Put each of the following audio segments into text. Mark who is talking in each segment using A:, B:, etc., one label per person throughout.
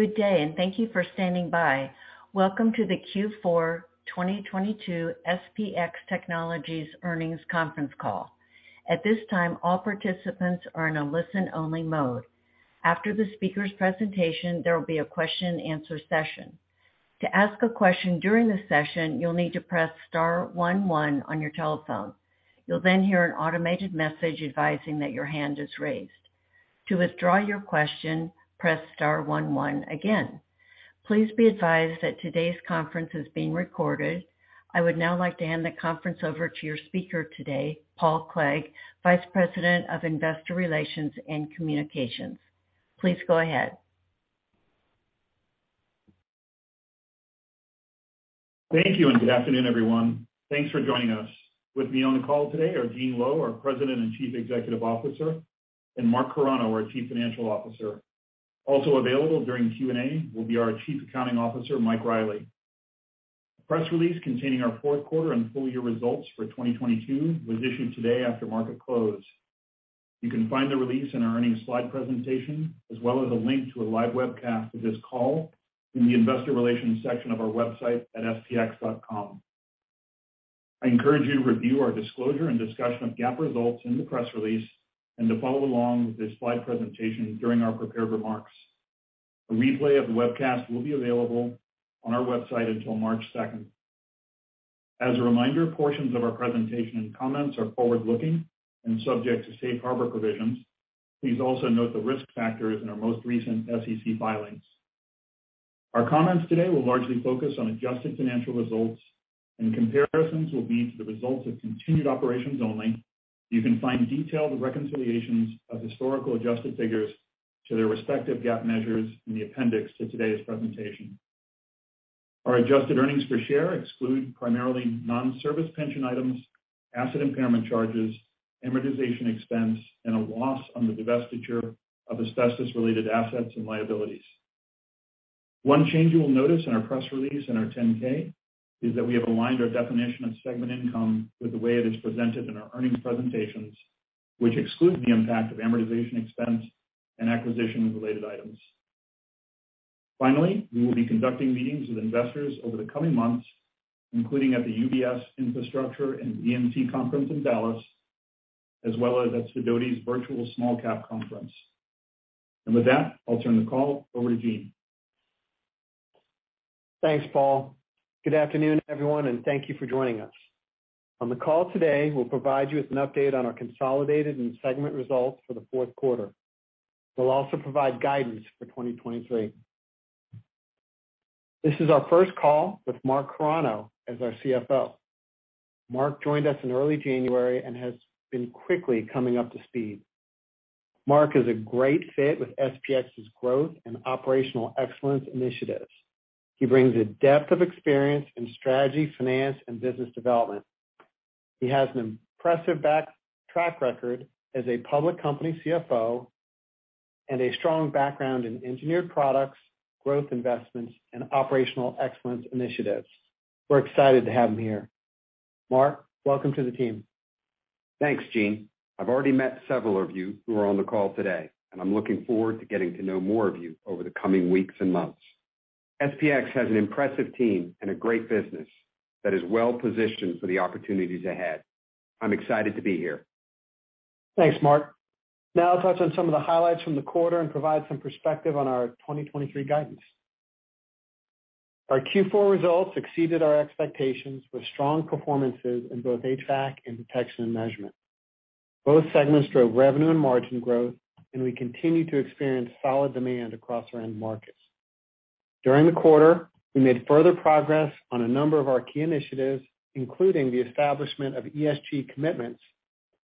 A: Good day, and thank you for standing by. Welcome to the Q4 2022 SPX Technologies Earnings Conference Call. At this time, all participants are in a listen-only mode. After the speaker's presentation, there will be a question and answer session. To ask a question during the session, you'll need to press star one one on your telephone. You'll then hear an automated message advising that your hand is raised. To withdraw your question, press star one one again. Please be advised that today's conference is being recorded. I would now like to hand the conference over to your speaker today, Paul Clegg, Vice President of Investor Relations and Communications. Please go ahead.
B: Thank you, good afternoon, everyone. Thanks for joining us. With me on the call today are Gene Lowe, our President and Chief Executive Officer, and Mark Carano, our Chief Financial Officer. Also available during Q&A will be our Chief Accounting Officer, Mike Reilly. The press release containing our fourth quarter and full year results for 2022 was issued today after market close. You can find the release in our earnings slide presentation, as well as a link to a live webcast of this call in the investor relations section of our website at spx.com. I encourage you to review our disclosure and discussion of GAAP results in the press release and to follow along with this slide presentation during our prepared remarks. A replay of the webcast will be available on our website until March 2nd. As a reminder, portions of our presentation and comments are forward-looking and subject to Safe Harbor provisions. Please also note the risk factors in our most recent SEC filings. Our comments today will largely focus on adjusted financial results, and comparisons will be to the results of continued operations only. You can find detailed reconciliations of historical adjusted figures to their respective GAAP measures in the appendix to today's presentation. Our adjusted earnings per share exclude primarily non-service pension items, asset impairment charges, amortization expense, and a loss on the divestiture of asbestos-related assets and liabilities. One change you will notice in our press release and our 10-K is that we have aligned our definition of segment income with the way it is presented in our earnings presentations, which excludes the impact of amortization expense and acquisition-related items. Finally, we will be conducting meetings with investors over the coming months, including at the UBS Infrastructure and E&C Conference in Dallas, as well as at Sidoti's Virtual Small Cap Conference. With that, I'll turn the call over to Gene.
C: Thanks, Paul. Good afternoon, everyone, and thank you for joining us. On the call today, we'll provide you with an update on our consolidated and segment results for the fourth quarter. We'll also provide guidance for 2023. This is our first call with Mark Carano as our CFO. Mark joined us in early January and has been quickly coming up to speed. Mark is a great fit with SPX's growth and operational excellence initiatives. He brings a depth of experience in strategy, finance, and business development. He has an impressive back track record as a public company CFO and a strong background in engineered products, growth investments, and operational excellence initiatives. We're excited to have him here. Mark, welcome to the team.
D: Thanks, Gene. I've already met several of you who are on the call today. I'm looking forward to getting to know more of you over the coming weeks and months. SPX has an impressive team and a great business that is well-positioned for the opportunities ahead. I'm excited to be here.
C: Thanks, Mark. Now I'll touch on some of the highlights from the quarter and provide some perspective on our 2023 guidance. Our Q4 results exceeded our expectations with strong performances in both HVAC and Detection & Measurement. Both segments drove revenue and margin growth. We continued to experience solid demand across our end markets. During the quarter, we made further progress on a number of our key initiatives, including the establishment of ESG commitments,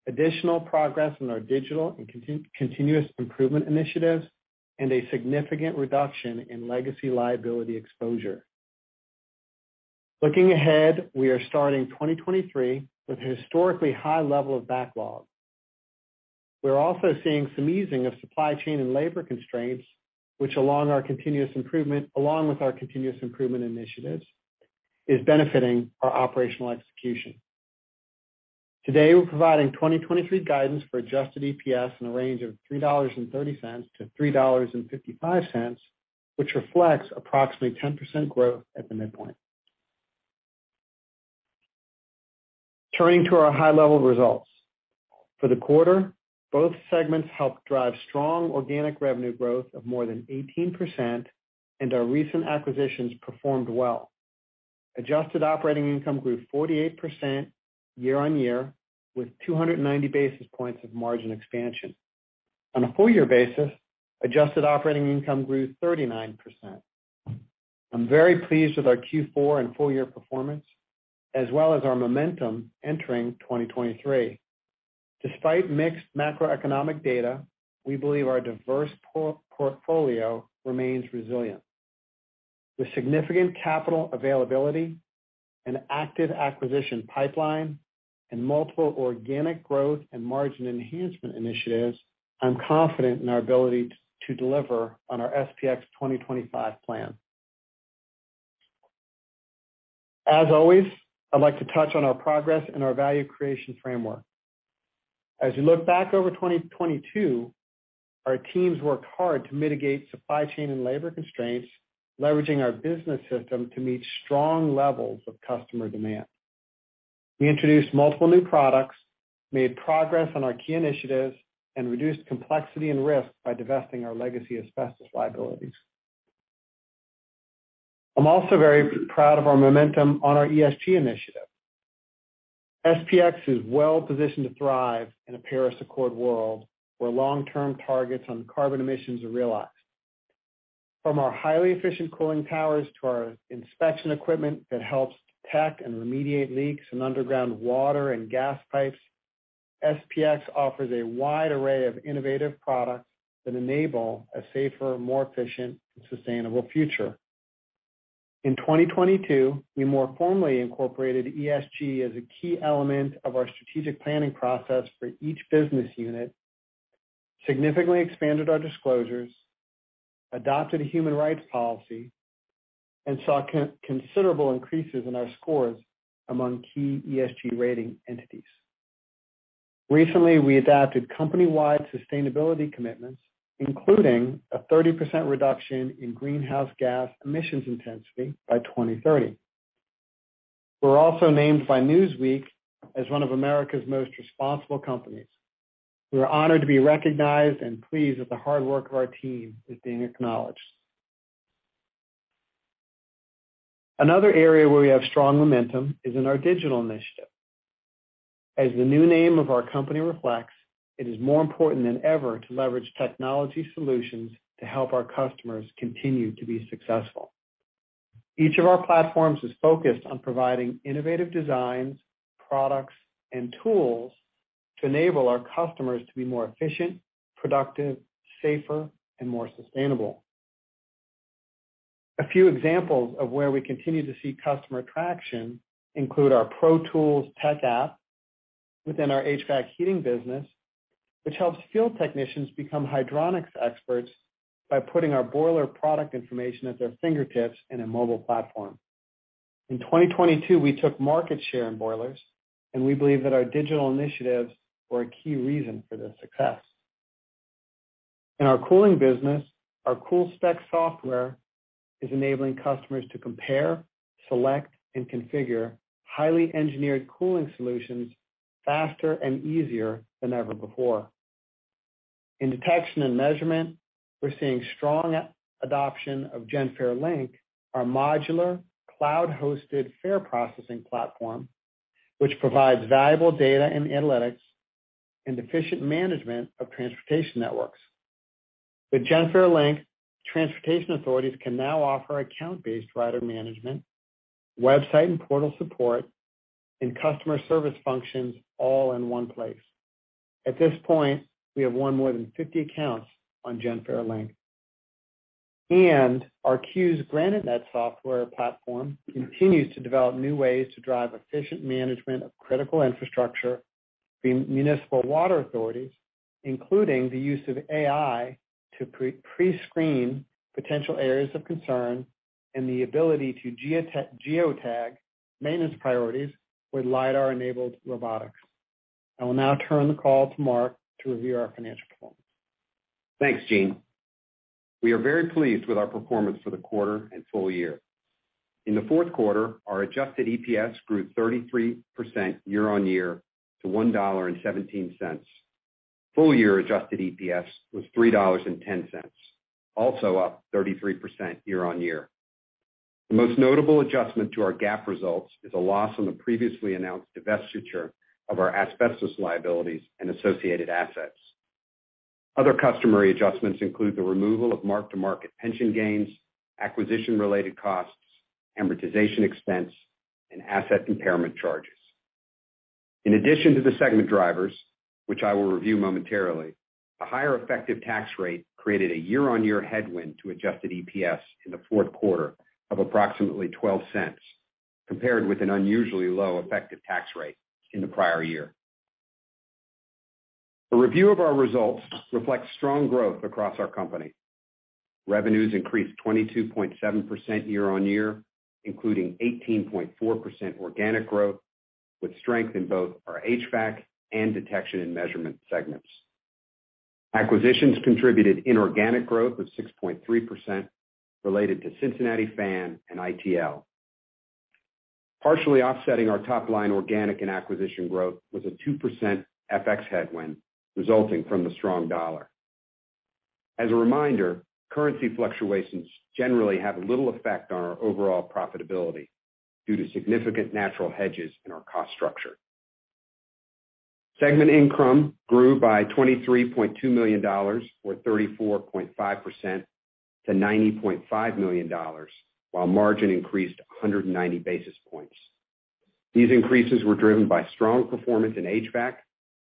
C: additional progress in our digital and continuous improvement initiatives, and a significant reduction in legacy liability exposure. Looking ahead, we are starting 2023 with a historically high level of backlog. We're also seeing some easing of supply chain and labor constraints, which along with our continuous improvement initiatives, is benefiting our operational execution. Today, we're providing 2023 guidance for adjusted EPS in a range of $3.30-$3.55, which reflects approximately 10% growth at the midpoint. Turning to our high-level results. For the quarter, both segments helped drive strong organic revenue growth of more than 18%, and our recent acquisitions performed well. Adjusted operating income grew 48% year-on-year, with 290 basis points of margin expansion. On a full year basis, adjusted operating income grew 39%. I'm very pleased with our Q4 and full year performance, as well as our momentum entering 2023. Despite mixed macroeconomic data, we believe our diverse portfolio remains resilient. With significant capital availability, an active acquisition pipeline, and multiple organic growth and margin enhancement initiatives, I'm confident in our ability to deliver on our SPX 2025 plan. As always, I'd like to touch on our progress and our value creation framework. As we look back over 2022, our teams worked hard to mitigate supply chain and labor constraints, leveraging our business system to meet strong levels of customer demand. We introduced multiple new products, made progress on our key initiatives, and reduced complexity and risk by divesting our legacy asbestos liabilities. I'm also very proud of our momentum on our ESG initiative. SPX is well-positioned to thrive in a Paris accord world where long-term targets on carbon emissions are realized. From our highly efficient cooling towers to our inspection equipment that helps detect and remediate leaks in underground water and gas pipes, SPX offers a wide array of innovative products that enable a safer, more efficient, and sustainable future. In 2022, we more formally incorporated ESG as a key element of our strategic planning process for each business unit, significantly expanded our disclosures, adopted a human rights policy, and saw considerable increases in our scores among key ESG rating entities. Recently, we adopted company-wide sustainability commitments, including a 30% reduction in greenhouse gas emissions intensity by 2030. We're also named by Newsweek as one of America's most responsible companies. We are honored to be recognized and pleased that the hard work of our team is being acknowledged. Another area where we have strong momentum is in our digital initiative. As the new name of our company reflects, it is more important than ever to leverage technology solutions to help our customers continue to be successful. Each of our platforms is focused on providing innovative designs, products, and tools to enable our customers to be more efficient, productive, safer, and more sustainable. A few examples of where we continue to see customer traction include our ProTools tech app within our HVAC heating business, which helps field technicians become hydronics experts by putting our boiler product information at their fingertips in a mobile platform. In 2022, we took market share in boilers. We believe that our digital initiatives were a key reason for this success. In our cooling business, our CoolSpec software is enabling customers to compare, select, and configure highly engineered cooling solutions faster and easier than ever before. In detection and measurement, we're seeing strong adoption of Genfare Link, our modular cloud-hosted fare processing platform, which provides valuable data and analytics and efficient management of transportation networks. With Genfare Link, transportation authorities can now offer account-based rider management, website and portal support, and customer service functions all in one place. At this point, we have won more than 50 accounts on Genfare Link. Our CUES GraniteNet software platform continues to develop new ways to drive efficient management of critical infrastructure for municipal water authorities, including the use of AI to prescreen potential areas of concern and the ability to geotag maintenance priorities with LIDAR-enabled robotics. I will now turn the call to Mark to review our financial performance.
D: Thanks, Gene. We are very pleased with our performance for the quarter and full year. In the fourth quarter, our adjusted EPS grew 33% year-on-year to $1.17. Full year adjusted EPS was $3.10, also up 33% year-on-year. The most notable adjustment to our GAAP results is a loss on the previously announced divestiture of our asbestos liabilities and associated assets. Other customary adjustments include the removal of mark-to-market pension gains, acquisition-related costs, amortization expense, and asset impairment charges. In addition to the segment drivers, which I will review momentarily, a higher effective tax rate created a year-on-year headwind to adjusted EPS in the fourth quarter of approximately $0.12, compared with an unusually low effective tax rate in the prior year. A review of our results reflects strong growth across our company. Revenues increased 22.7% year-over-year, including 18.4% organic growth, with strength in both our HVAC and Detection & Measurement segments. Acquisitions contributed inorganic growth of 6.3% related to Cincinnati Fan and ITL. Partially offsetting our top-line organic and acquisition growth was a 2% FX headwind resulting from the strong dollar. As a reminder, currency fluctuations generally have little effect on our overall profitability due to significant natural hedges in our cost structure. Segment income grew by $23.2 million or 34.5% to $90.5 million while margin increased 190 basis points. These increases were driven by strong performance in HVAC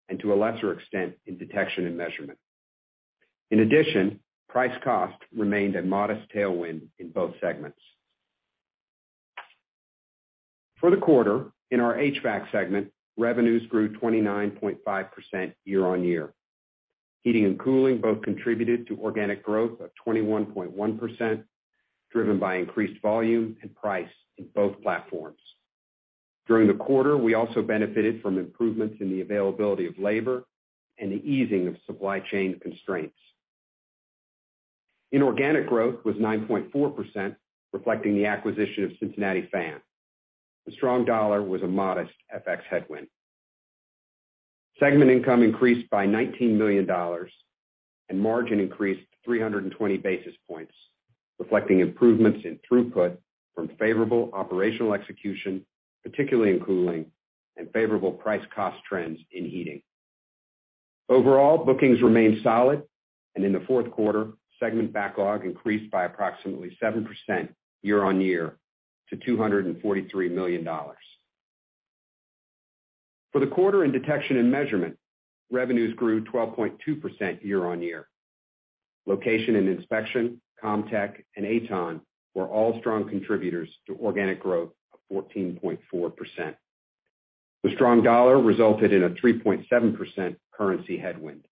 D: and to a lesser extent in Detection & Measurement. In addition, price cost remained a modest tailwind in both segments. For the quarter, in our HVAC segment, revenues grew 29.5% year-on-year. Heating and cooling both contributed to organic growth of 21.1%, driven by increased volume and price in both platforms. During the quarter, we also benefited from improvements in the availability of labor and the easing of supply chain constraints. Inorganic growth was 9.4%, reflecting the acquisition of Cincinnati Fan. The strong dollar was a modest FX headwind. Segment income increased by $19 million, and margin increased 320 basis points, reflecting improvements in throughput from favorable operational execution, particularly in cooling and favorable price cost trends in heating. Overall, bookings remained solid, and in the fourth quarter, segment backlog increased by approximately 7% year-on-year to $243 million. For the quarter in Detection & Measurement, revenues grew 12.2% year-on-year. Location and inspection, CommTech and AtoN were all strong contributors to organic growth of 14.4%. The strong dollar resulted in a 3.7% currency headwind.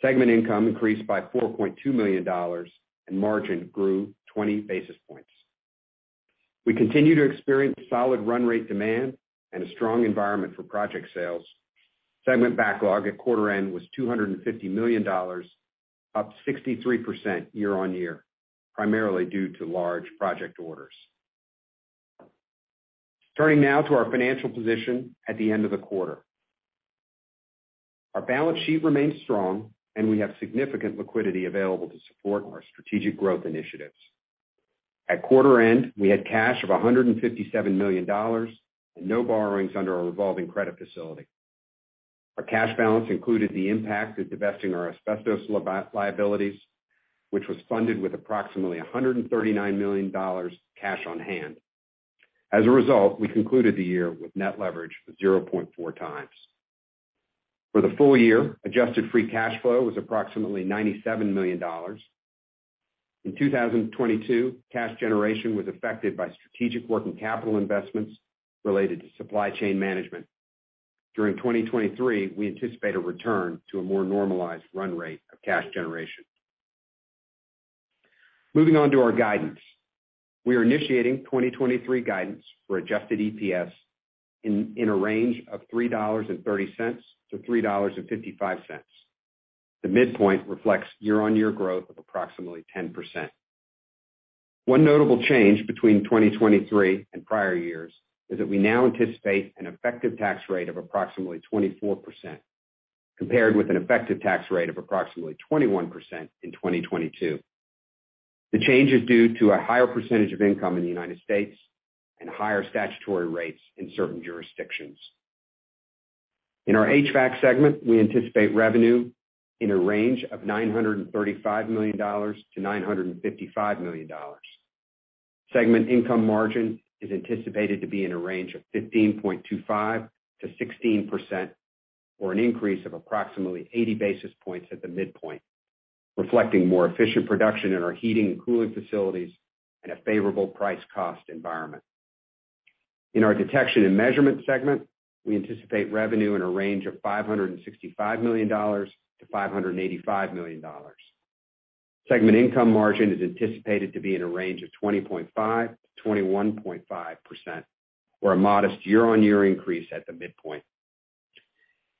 D: Segment income increased by $4.2 million and margin grew 20 basis points. We continue to experience solid run rate demand and a strong environment for project sales. Segment backlog at quarter end was $250 million, up 63% year-on-year, primarily due to large project orders. Turning now to our financial position at the end of the quarter. Our balance sheet remains strong and we have significant liquidity available to support our strategic growth initiatives. At quarter end, we had cash of $157 million and no borrowings under our revolving credit facility. Our cash balance included the impact of divesting our asbestos liabilities, which was funded with approximately $139 million cash on hand. We concluded the year with net leverage of 0.4x. For the full year, adjusted free cash flow was approximately $97 million. In 2022, cash generation was affected by strategic working capital investments related to supply chain management. During 2023, we anticipate a return to a more normalized run rate of cash generation. Moving on to our guidance. We are initiating 2023 guidance for adjusted EPS in a range of $3.30-$3.55. The midpoint reflects year-on-year growth of approximately 10%. One notable change between 2023 and prior years is that we now anticipate an effective tax rate of approximately 24%, compared with an effective tax rate of approximately 21% in 2022. The change is due to a higher percentage of income in the United States and higher statutory rates in certain jurisdictions. In our HVAC segment, we anticipate revenue in a range of $935 million-$955 million. Segment income margin is anticipated to be in a range of 15.25%-16% or an increase of approximately 80 basis points at the midpoint, reflecting more efficient production in our heating and cooling facilities and a favorable price cost environment. In our Detection and Measurement segment, we anticipate revenue in a range of $565 million-$585 million. Segment income margin is anticipated to be in a range of 20.5%-21.5% or a modest year-on-year increase at the midpoint.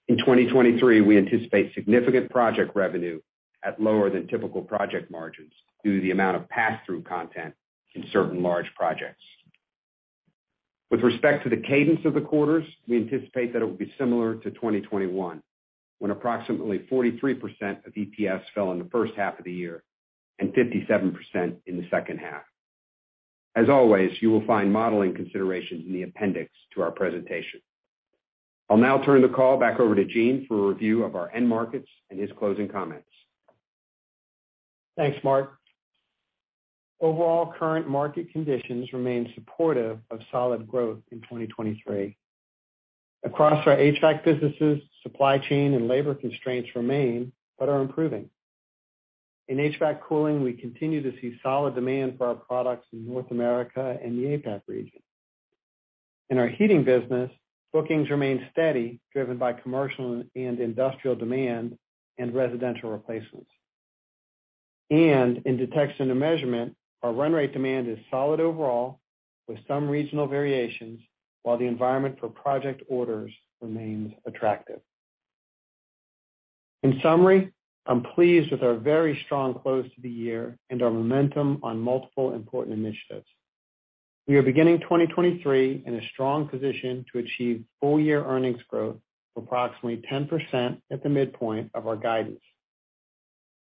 D: In 2023, we anticipate significant project revenue at lower than typical project margins due to the amount of pass-through content in certain large projects. With respect to the cadence of the quarters, we anticipate that it will be similar to 2021, when approximately 43% of EPS fell in the first half of the year and 57% in the second half. As always, you will find modeling considerations in the appendix to our presentation. I'll now turn the call back over to Gene for a review of our end markets and his closing comments.
C: Thanks, Mark. Overall, current market conditions remain supportive of solid growth in 2023. Across our HVAC businesses, supply chain and labor constraints remain but are improving. In HVAC cooling, we continue to see solid demand for our products in North America and the APAC region. In our heating business, bookings remain steady, driven by commercial and industrial demand and residential replacements. In Detection & Measurement, our run rate demand is solid overall with some regional variations while the environment for project orders remains attractive. In summary, I'm pleased with our very strong close to the year and our momentum on multiple important initiatives. We are beginning 2023 in a strong position to achieve full-year earnings growth of approximately 10% at the midpoint of our guidance.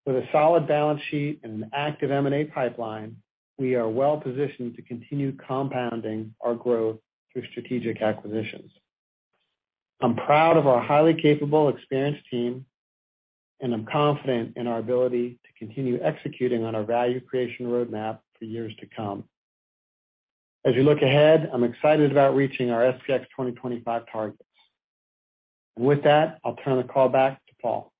C: With a solid balance sheet and an active M&A pipeline, we are well positioned to continue compounding our growth through strategic acquisitions. I'm proud of our highly capable, experienced team, and I'm confident in our ability to continue executing on our value creation roadmap for years to come. As you look ahead, I'm excited about reaching our SPX 2025 targets. With that, I'll turn the call back to Paul.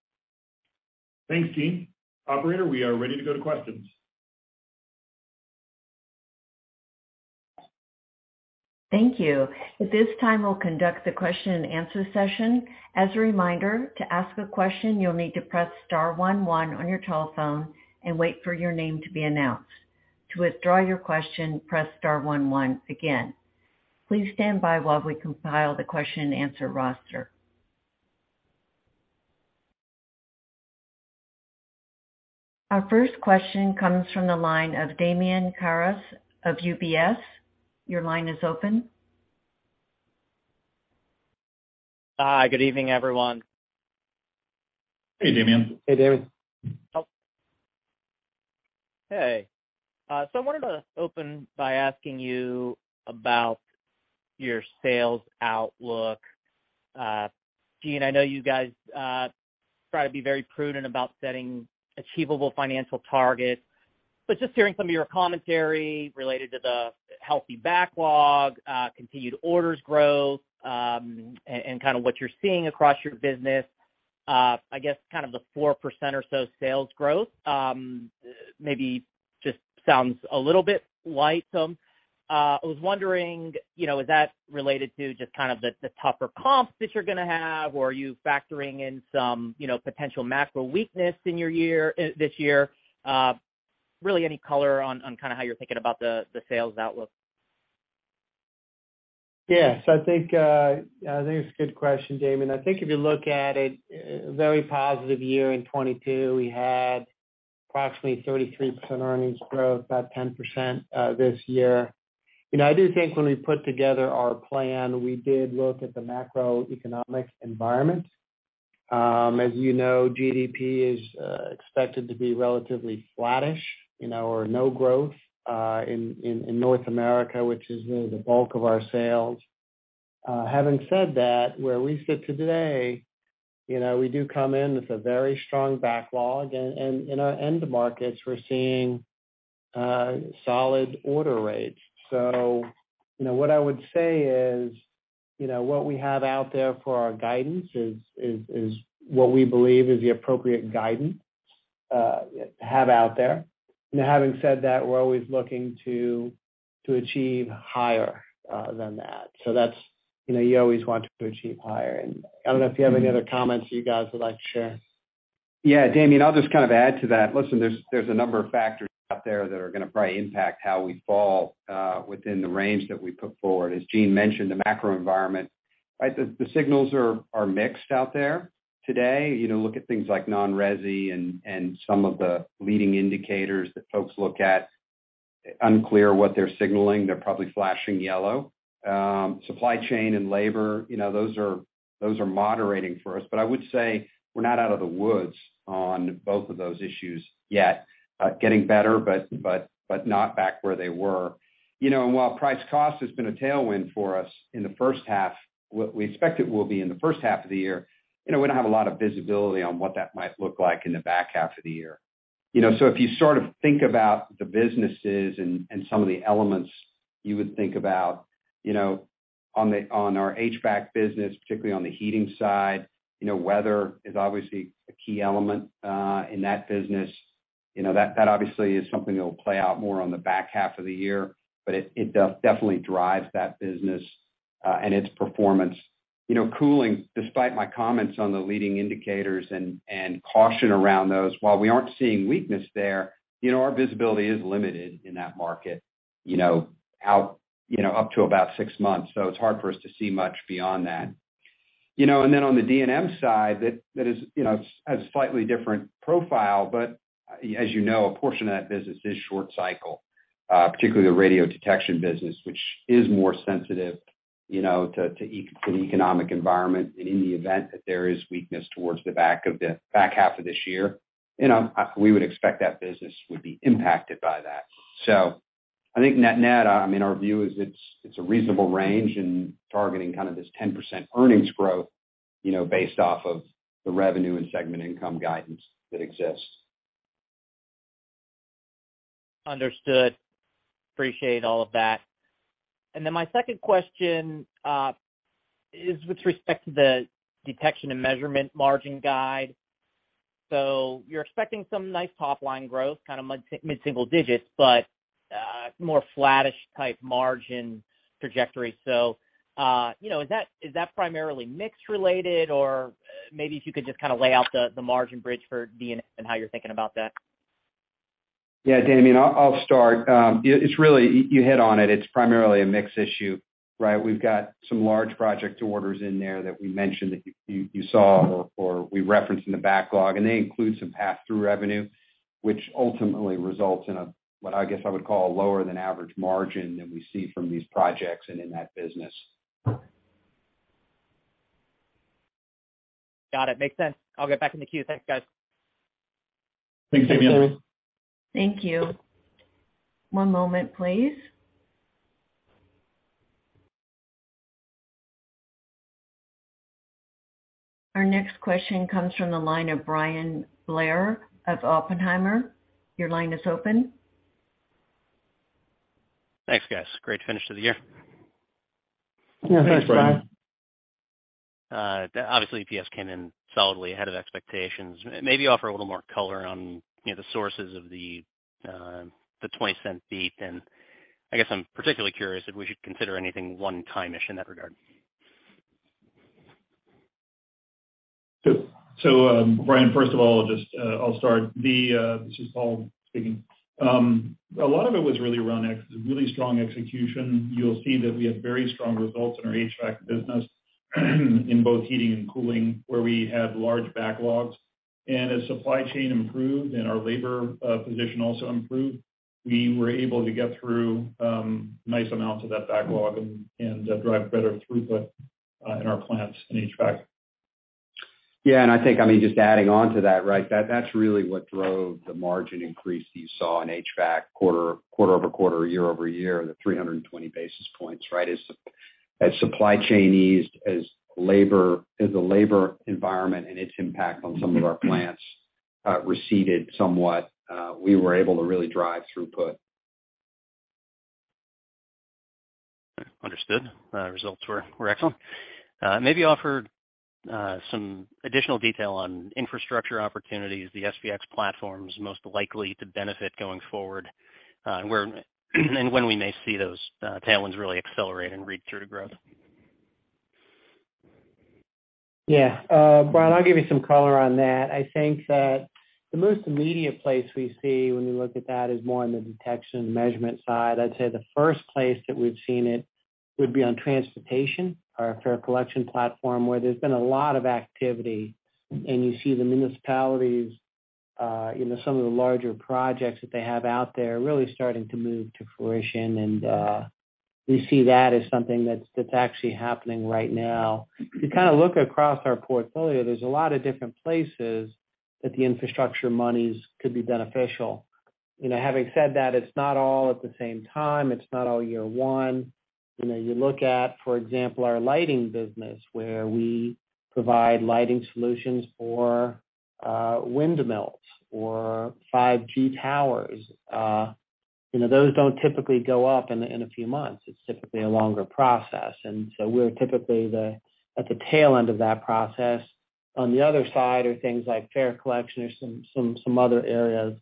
B: Thanks, Gene. Operator, we are ready to go to questions.
A: Thank you. At this time, we'll conduct the question and answer session. As a reminder, to ask a question, you'll need to press star one one on your telephone and wait for your name to be announced. To withdraw your question, press star one one again. Please stand by while we compile the question and answer roster. Our first question comes from the line of Damian Karas of UBS. Your line is open.
E: Hi, good evening, everyone.
D: Hey, Damian.
C: Hey, Damian.
E: Hey. I wanted to open by asking you about your sales outlook. Gene, I know you guys try to be very prudent about setting achievable financial targets. Just hearing some of your commentary related to the healthy backlog, continued orders growth, and kind of what you're seeing across your business, I guess kind of the 4% or so sales growth, maybe just sounds a little bit light some. I was wondering, you know, is that related to just kind of the tougher comps that you're gonna have, or are you factoring in some, you know, potential macro weakness in your year, this year? Really any color on kind of how you're thinking about the sales outlook.
C: I think, I think it's a good question, Damian. I think if you look at it, very positive year in 2022, we had approximately 33% earnings growth, about 10% this year. You know, I do think when we put together our plan, we did look at the macroeconomic environment. As you know, GDP is expected to be relatively flattish, you know, or no growth in North America, which is really the bulk of our sales. Having said that, where we sit today, you know, we do come in with a very strong backlog and in our end markets, we're seeing solid order rates. You know, what I would say is, you know, what we have out there for our guidance is what we believe is the appropriate guidance to have out there. You know, having said that, we're always looking to achieve higher than that. That's, you know, you always want to achieve higher. I don't know if you have any other comments you guys would like to share.
D: Yeah. Damian, I'll just kind of add to that. Listen, there's a number of factors out there that are gonna probably impact how we fall within the range that we put forward. As Gene mentioned, the macro environment, right? The signals are mixed out there today. You know, look at things like non-resi and some of the leading indicators that folks look at. Unclear what they're signaling. They're probably flashing yellow. Supply chain and labor, you know, those are moderating for us. I would say we're not out of the woods on both of those issues yet. Getting better, but not back where they were. You know, while price cost has been a tailwind for us in the first half, we expect it will be in the first half of the year. You know, we don't have a lot of visibility on what that might look like in the back half of the year. You know, if you sort of think about the businesses and some of the elements you would think about, you know, on our HVAC business, particularly on the heating side, you know, weather is obviously a key element in that business. You know, that obviously is something that will play out more on the back half of the year, but it definitely drives that business and its performance. You know, cooling, despite my comments on the leading indicators and caution around those, while we aren't seeing weakness there, you know, our visibility is limited in that market, out, up to about six months. It's hard for us to see much beyond that. You know, on the D&M side, that is, you know, has a slightly different profile. As you know, a portion of that business is short cycle, particularly the Radiodetection business, which is more sensitive, you know, to the economic environment. In the event that there is weakness towards the back half of this year, you know, we would expect that business would be impacted by that. I think net-net, I mean, our view is it's a reasonable range and targeting kind of this 10% earnings growth, you know, based off of the revenue and segment income guidance that exists.
E: Understood. Appreciate all of that. My second question is with respect to the Detection & Measurement margin guide. You're expecting some nice top line growth, kind of mid single digits, but more flattish type margin trajectory. You know, is that primarily mix related? Or maybe if you could just kind of lay out the margin bridge for D&M and how you're thinking about that.
D: Damian, I'll start. It's really you hit on it's primarily a mix issue, right? We've got some large project orders in there that we mentioned that you saw or we referenced in the backlog, and they include some pass-through revenue, which ultimately results in what I guess I would call a lower than average margin than we see from these projects and in that business.
E: Got it. Makes sense. I'll get back in the queue. Thanks, guys.
D: Thanks, Damian.
C: Thanks.
A: Thank you. One moment, please. Our next question comes from the line of Bryan Blair of Oppenheimer. Your line is open.
F: Thanks, guys. Great finish to the year.
C: Yeah. Thanks, Bryan.
F: Obviously EPS came in solidly ahead of expectations. Maybe offer a little more color on, you know, the sources of the $0.20 beat. I guess I'm particularly curious if we should consider anything one-time-ish in that regard.
B: Bryan Blair, first of all, just, I'll start. This is Paul Clegg speaking. A lot of it was really around really strong execution. You'll see that we had very strong results in our HVAC business in both heating and cooling, where we had large backlogs. As supply chain improved and our labor position also improved, we were able to get through nice amounts of that backlog and drive better throughput in our plants in HVAC.
D: I think, I mean, just adding on to that, right? That's really what drove the margin increase that you saw in HVAC quarter-over-quarter, year-over-year, the 320 basis points, right? As supply chain eased, as the labor environment and its impact on some of our plants, receded somewhat, we were able to really drive throughput.
F: Understood. Results were excellent. Maybe offer some additional detail on infrastructure opportunities, the SPX platforms most likely to benefit going forward, where and when we may see those tailwinds really accelerate and read through to growth.
C: Yeah. Bryan, I'll give you some color on that. I think that the most immediate place we see when we look at that is more on the Detection & Measurement side. I'd say the first place that we've seen it would be on transportation, our fare collection platform, where there's been a lot of activity. You see the municipalities, you know, some of the larger projects that they have out there really starting to move to fruition. We see that as something that's actually happening right now. If you kind of look across our portfolio, there's a lot of different places that the infrastructure monies could be beneficial. You know, having said that, it's not all at the same time. It's not all year one. You know, you look at, for example, our lighting business, where we provide lighting solutions for windmills or 5G towers. You know, those don't typically go up in a few months. It's typically a longer process. We're typically at the tail end of that process. On the other side are things like fare collection or some other areas.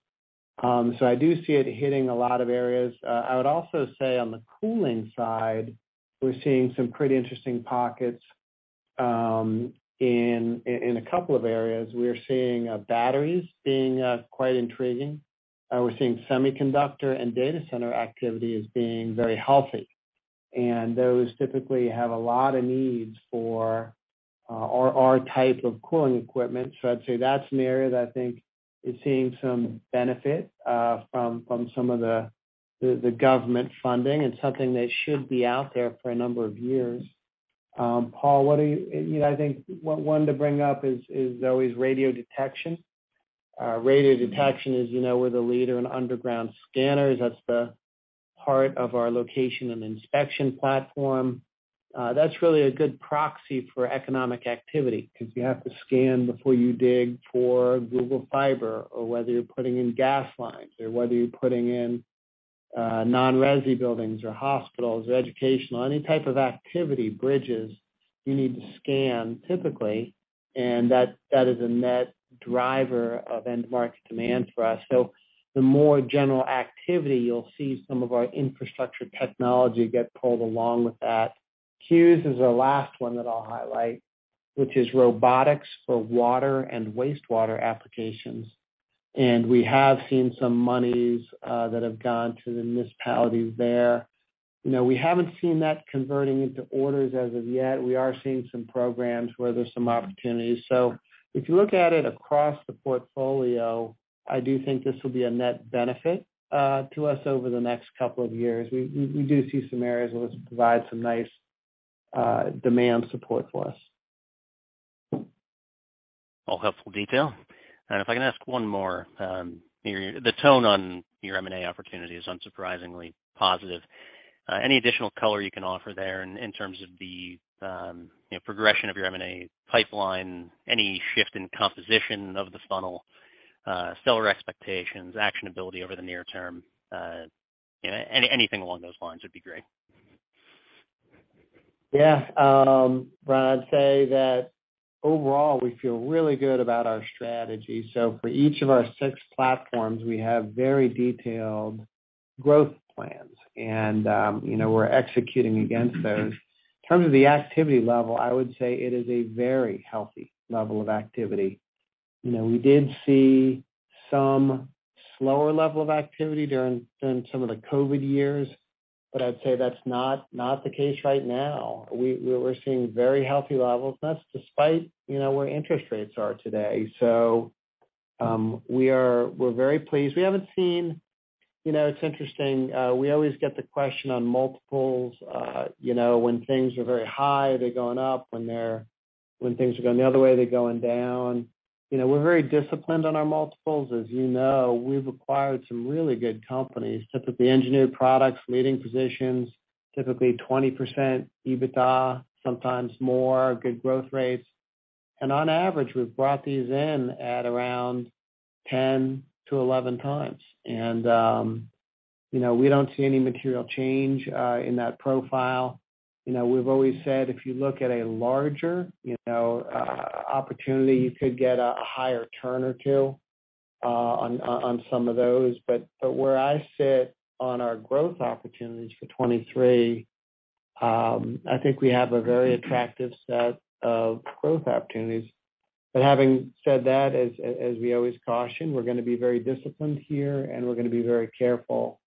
C: I do see it hitting a lot of areas. I would also say on the cooling side, we're seeing some pretty interesting pockets in a couple of areas. We're seeing batteries being quite intriguing. We're seeing semiconductor and data center activity as being very healthy. Those typically have a lot of needs for our type of cooling equipment. I'd say that's an area that I think is seeing some benefit from some of the government funding and something that should be out there for a number of years. Paul, you know, I think one to bring up is always Radiodetection. Radiodetection, as you know, we're the leader in underground scanners. That's the part of our location and inspection platform. That's really a good proxy for economic activity because you have to scan before you dig for Google Fiber or whether you're putting in gas lines or whether you're putting in non-resi buildings or hospitals or educational, any type of activity, bridges, you need to scan typically. That is a net driver of end market demand for us. The more general activity, you'll see some of our infrastructure technology get pulled along with that. CUES is the last one that I'll highlight, which is robotics for water and wastewater applications. We have seen some monies that have gone to the municipalities there. You know, we haven't seen that converting into orders as of yet. We are seeing some programs where there's some opportunities. If you look at it across the portfolio, I do think this will be a net benefit to us over the next couple of years. We do see some areas where this will provide some nice demand support for us.
F: All helpful detail. If I can ask one more. The tone on your M&A opportunity is unsurprisingly positive. Any additional color you can offer there in terms of the, you know, progression of your M&A pipeline? Any shift in composition of the funnel, seller expectations, actionability over the near term? You know, anything along those lines would be great.
C: Bryan, I'd say that overall, we feel really good about our strategy. For each of our six platforms, we have very detailed growth plans. You know, we're executing against those. In terms of the activity level, I would say it is a very healthy level of activity. You know, we did see some slower level of activity during some of the COVID years, but I'd say that's not the case right now. We're seeing very healthy levels. That's despite, you know, where interest rates are today. We're very pleased. We haven't seen... You know, it's interesting. We always get the question on multiples. You know, when things are very high, they're going up. When things are going the other way, they're going down. You know, we're very disciplined on our multiples. As you know, we've acquired some really good companies, typically engineered products, leading positions, typically 20% EBITDA, sometimes more, good growth rates. On average, we've brought these in at around 10 to 11 times. You know, we don't see any material change in that profile. You know, we've always said if you look at a larger, you know, opportunity, you could get a higher turn or two on some of those. But where I sit on our growth opportunities for 2023, I think we have a very attractive set of growth opportunities. Having said that, as we always caution, we're gonna be very disciplined here, and we're gonna be very careful.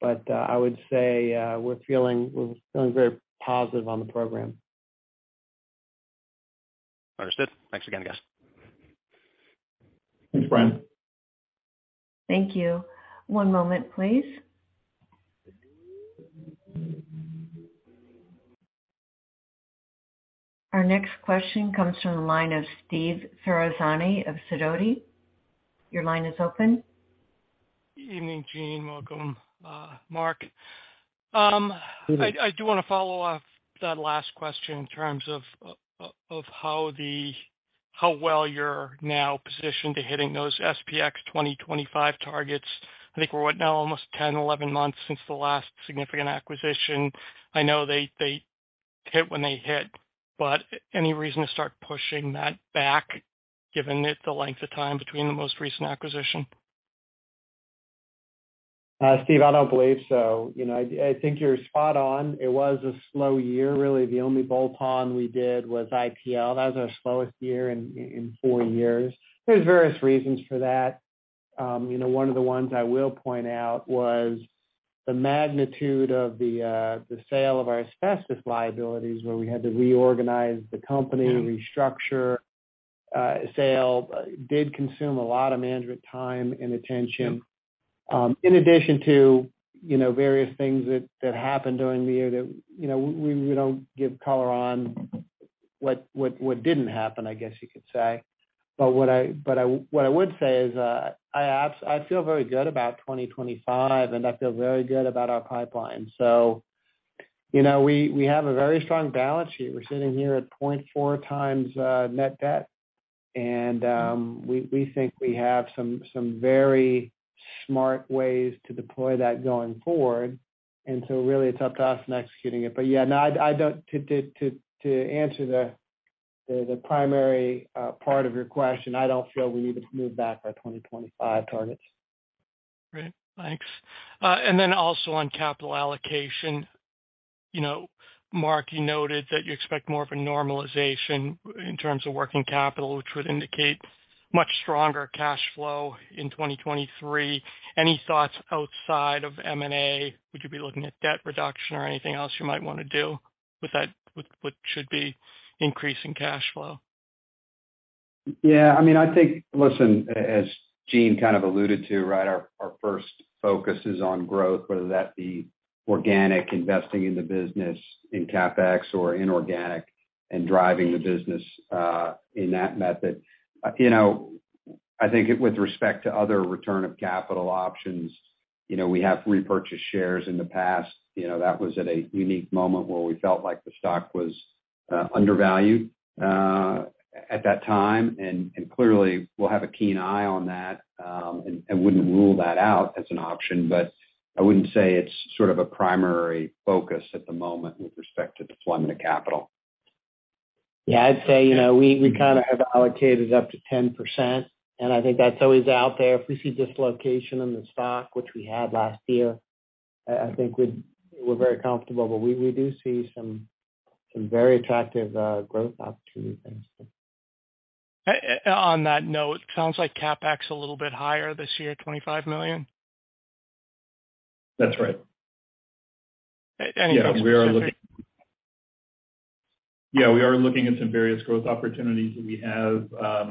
C: I would say, we're feeling very positive on the program.
F: Understood. Thanks again, guys.
D: Thanks, Bryan.
A: Thank you. One moment, please. Our next question comes from the line of Steve Ferazani of Sidoti. Your line is open.
G: Evening, Gene. Welcome, Mark. I do wanna follow off that last question in terms of how well you're now positioned to hitting those SPX 2025 targets. I think we're what now? Almost 10, 11 months since the last significant acquisition. I know they hit when they hit. Any reason to start pushing that back given it the length of time between the most recent acquisition?
C: Steve, I don't believe so. You know, I think you're spot on. It was a slow year. Really, the only bolt-on we did was ITL. That was our slowest year in four years. There's various reasons for that. You know, one of the ones I will point out was the magnitude of the sale of our asbestos liabilities, where we had to reorganize the company, restructure, sale did consume a lot of management time and attention, in addition to, you know, various things that happened during the year that, you know, we don't give color on what didn't happen, I guess you could say. What I would say is, I feel very good about 2025, and I feel very good about our pipeline. You know, we have a very strong balance sheet. We're sitting here at 0.4x net debt, and we think we have some very smart ways to deploy that going forward. Really it's up to us in executing it. Yeah, no. To answer the primary part of your question, I don't feel we need to move back our 2025 targets.
G: Great. Thanks. Also on capital allocation, you know, Mark, you noted that you expect more of a normalization in terms of working capital, which would indicate much stronger cash flow in 2023. Any thoughts outside of M&A? Would you be looking at debt reduction or anything else you might wanna do with what should be increase in cash flow?
D: Yeah, I mean, I think, listen, as Gene kind of alluded to, right? Our first focus is on growth, whether that be organic, investing in the business in CapEx or inorganic and driving the business in that method. You know, I think with respect to other return of capital options, you know, we have repurchased shares in the past. You know, that was at a unique moment where we felt like the stock was undervalued at that time. Clearly, we'll have a keen eye on that, and wouldn't rule that out as an option. I wouldn't say it's sort of a primary focus at the moment with respect to deployment of capital.
C: Yeah, I'd say, you know, we kinda have allocated up to 10%, I think that's always out there. If we see dislocation in the stock, which we had last year, I think we're very comfortable. We do see some very attractive growth opportunities.
G: On that note, sounds like CapEx a little bit higher this year, $25 million.
B: That's right.
G: Any-
B: Yeah, we are looking at some various growth opportunities that we have,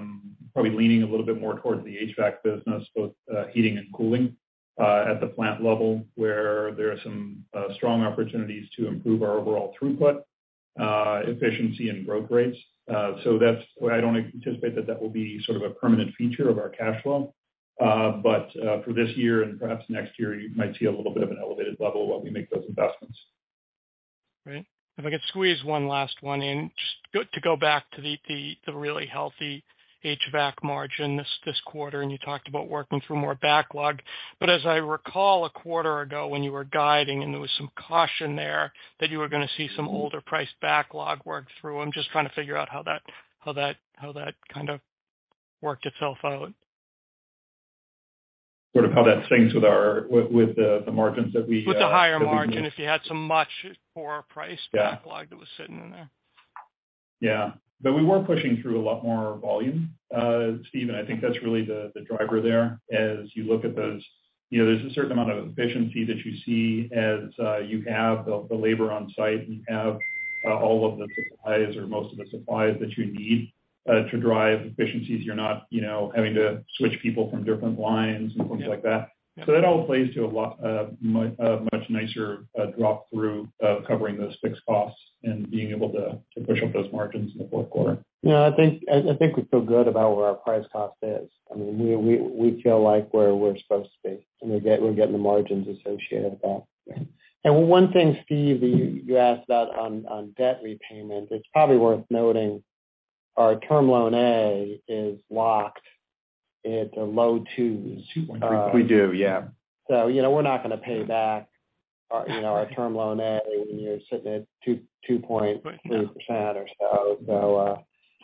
B: probably leaning a little bit more towards the HVAC business, both heating and cooling at the plant level, where there are some strong opportunities to improve our overall throughput, efficiency and growth rates. That's why I don't anticipate that that will be sort of a permanent feature of our cash flow. For this year and perhaps next year, you might see a little bit of an elevated level while we make those investments.
G: Great. If I could squeeze one last one in, to go back to the really healthy HVAC margin this quarter, and you talked about working through more backlog. As I recall a quarter ago when you were guiding and there was some caution there that you were gonna see some older priced backlog work through, I'm just trying to figure out how that kind of worked itself out?
B: Sort of how that syncs with our, with the margins that.
G: With the higher margin, if you had some much more price-
B: Yeah.
G: backlog that was sitting in there.
B: Yeah. We were pushing through a lot more volume, Steve, and I think that's really the driver there. As you look at those, you know, there's a certain amount of efficiency that you see as you have the labor on site, and you have all of the supplies or most of the supplies that you need to drive efficiencies. You're not, you know, having to switch people from different lines and things like that. That all plays to a lot much nicer drop through of covering those fixed costs and being able to push up those margins in the fourth quarter.
C: Yeah, I think we feel good about where our price cost is. I mean, we feel like we're where we're supposed to be, we're getting the margins associated with that. One thing, Steve Ferazani, you asked about on debt repayment, it's probably worth noting our Term Loan A is locked at the low twos.
D: We do, yeah.
C: you know, we're not gonna pay back, you know, our Term Loan A when you're sitting at 2.3% or so.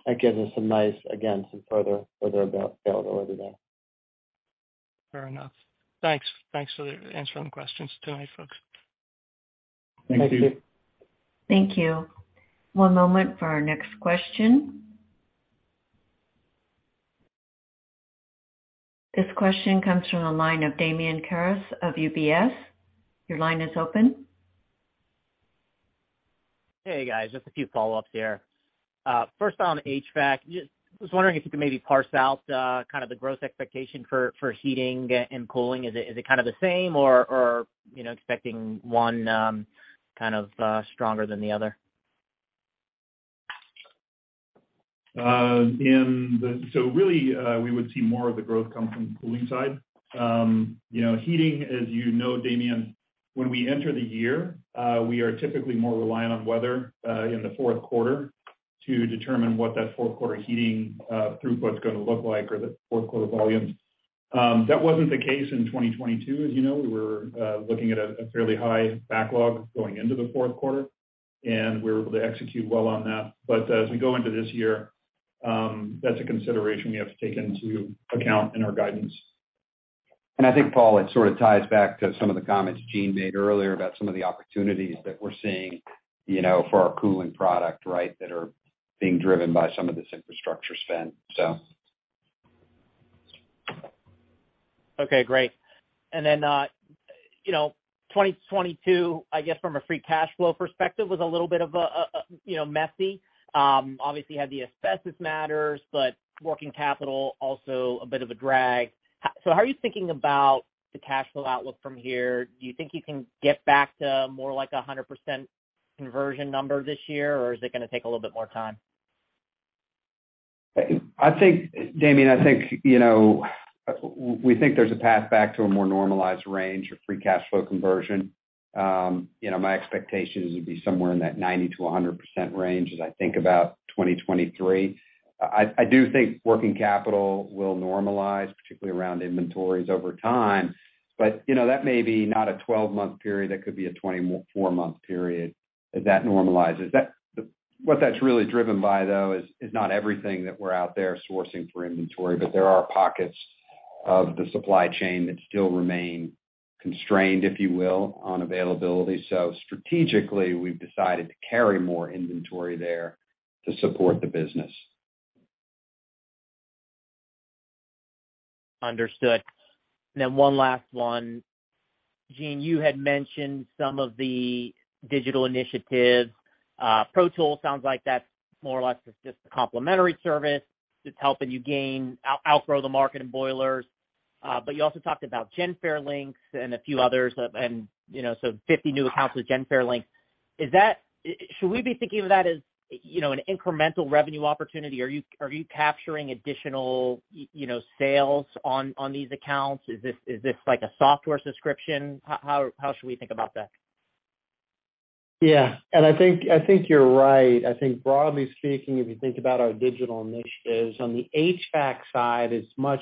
C: That gives us some nice, again, some further belt to wear today.
G: Fair enough. Thanks. Thanks for answering questions tonight, folks.
C: Thank you.
B: Thank you.
A: Thank you. One moment for our next question. This question comes from the line of Damian Karas of UBS. Your line is open.
E: Hey, guys. Just a few follow-ups here. First on HVAC. Just wondering if you could maybe parse out kind of the growth expectation for heating and cooling. Is it kind of the same or, you know, expecting one kind of stronger than the other?
B: Really, we would see more of the growth come from the cooling side. You know, Damian, when we enter the year, we are typically more reliant on weather in the fourth quarter to determine what that fourth quarter heating throughput's gonna look like or the fourth quarter volumes. That wasn't the case in 2022. As you know, we were looking at a fairly high backlog going into the fourth quarter, and we were able to execute well on that. As we go into this year, that's a consideration we have to take into account in our guidance.
C: I think, Paul, it sort of ties back to some of the comments Gene made earlier about some of the opportunities that we're seeing, you know, for our cooling product, right? That are being driven by some of this infrastructure spend.
E: Okay, great. You know, 2022, I guess, from a free cash flow perspective, was a little bit of a, you know, messy. Obviously had the asbestos matters. Working capital also a bit of a drag. How are you thinking about the cash flow outlook from here? Do you think you can get back to more like a 100% conversion number this year, or is it gonna take a little bit more time?
D: I think, Damian, we think there's a path back to a more normalized range of free cash flow conversion. My expectation is it'd be somewhere in that 90%-100% range as I think about 2023. I do think working capital will normalize, particularly around inventories over time. That may be not a 12-month period, that could be a 24-month period as that normalizes. What that's really driven by, though, is not everything that we're out there sourcing for inventory, but there are pockets of the supply chain that still remain constrained, if you will, on availability. Strategically, we've decided to carry more inventory there to support the business.
E: Understood. One last one. Gene, you had mentioned some of the digital initiatives. ProTool sounds like that's more or less just a complimentary service that's helping you outgrow the market in boilers. You also talked about Genfare Link and a few others. You know, 50 new accounts with Genfare Link. Should we be thinking of that as, you know, an incremental revenue opportunity? Are you, are you capturing additional you know, sales on these accounts? Is this, is this like a software subscription? How should we think about that?
C: Yeah. I think you're right. I think broadly speaking, if you think about our digital initiatives, on the HVAC side, it's much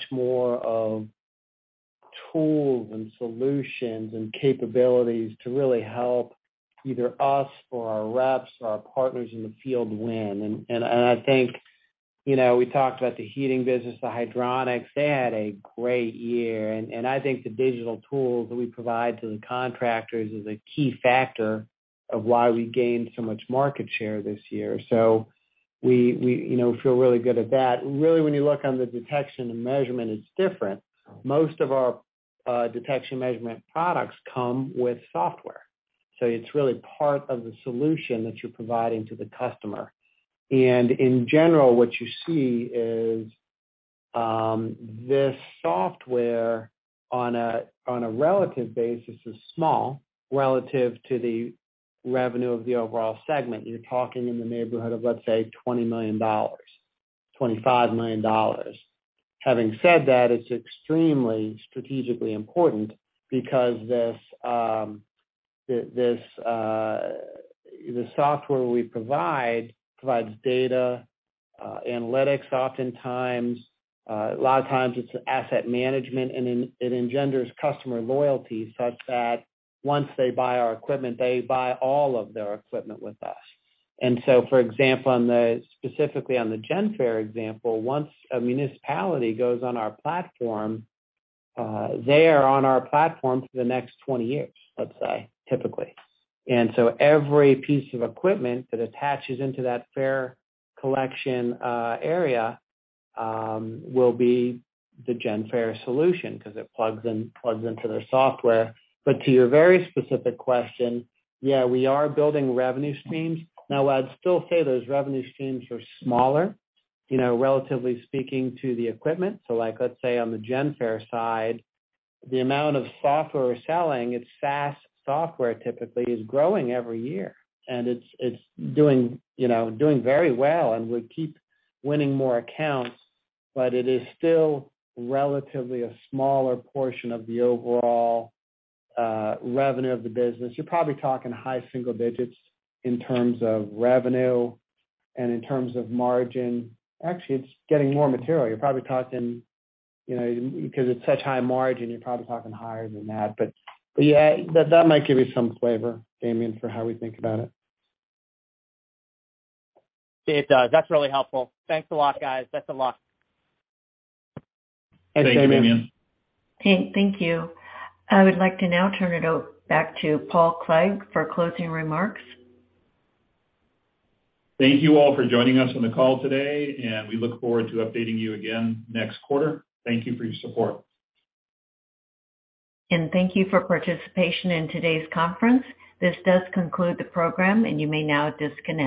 C: more of tools and solutions and capabilities to really help either us or our reps or our partners in the field win. I think, you know, we talked about the heating business, the hydronics. They had a great year. I think the digital tools that we provide to the contractors is a key factor of why we gained so much market share this year. We, you know, feel really good at that. Really, when you look on the Detection & Measurement, it's different. Most of our Detection & Measurement products come with software, so it's really part of the solution that you're providing to the customer. In general, what you see is this software on a relative basis is small relative to the revenue of the overall segment. You're talking in the neighborhood of, let's say, $20 million, $25 million. Having said that, it's extremely strategically important because this software we provide provides data analytics oftentimes. A lot of times it's asset management, and it engenders customer loyalty such that once they buy our equipment, they buy all of their equipment with us. For example, specifically on the Genfare example, once a municipality goes on our platform, they are on our platform for the next 20 years, let's say, typically. Every piece of equipment that attaches into that fare collection area will be the Genfare solution 'cause it plugs into their software. To your very specific question, yeah, we are building revenue streams. I'd still say those revenue streams are smaller, you know, relatively speaking to the equipment. Like, let's say on the Genfare side, the amount of software we're selling, it's SaaS software typically, is growing every year. It's doing, you know, doing very well, and we keep winning more accounts, but it is still relatively a smaller portion of the overall revenue of the business. You're probably talking high single digits in terms of revenue and in terms of margin. Actually, it's getting more material. You're probably talking, you know, 'cause it's such high margin, you're probably talking higher than that. Yeah, that might give you some flavor, Damian, for how we think about it.
E: It does. That's really helpful. Thanks a lot, guys. Best of luck.
D: Thank you, Damian.
A: Okay, thank you. I would like to now turn it back to Paul Clegg for closing remarks.
B: Thank you all for joining us on the call today, and we look forward to updating you again next quarter. Thank you for your support.
A: Thank you for participation in today's conference. This does conclude the program, and you may now disconnect.